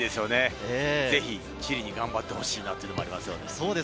ぜひチリに頑張ってほしいなというのもあります。